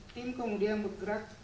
tim kemudian bergerak